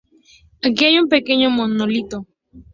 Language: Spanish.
Aquí hay un pequeño monolito.